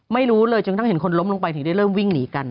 ไม่รู้เลยจนกระทั่งเห็นคนล้มลงไปถึงได้เริ่มวิ่งหนีกัน